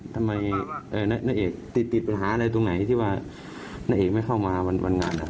ทำไมเนื้อเอกติดปัญหาอะไรตรงไหนที่ว่าเนื้อเอกไม่เข้ามาวันวันงานนะครับ